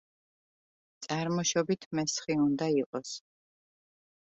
წარმოშობით მესხი უნდა იყოს.